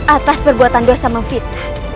atas perbuatan dosa memfitnah